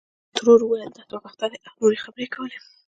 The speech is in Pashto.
ترور ویل دا دوه بخته دی او نورې خبرې یې کولې.